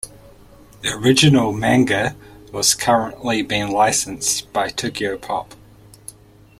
The original manga was currently been licensed by Tokyopop.